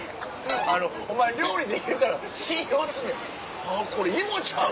お前料理できるから信用すんねん「これ芋ちゃう？」。